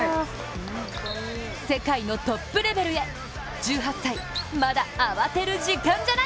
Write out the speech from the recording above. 世界のトップレベルへ１８歳、まだ慌てる時間じゃない。